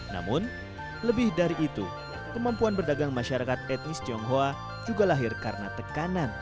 namun lebih dari itu kemampuan berdagang masyarakat etnis tionghoa juga lahir karena tekanan